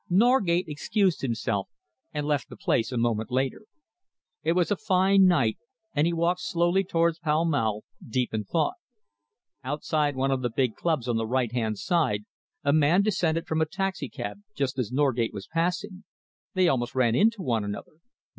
Norgate excused himself and left the place a moment later. It was a fine night, and he walked slowly towards Pall Mall, deep in thought. Outside one of the big clubs on the right hand side, a man descended from a taxicab just as Norgate was passing. They almost ran into one another.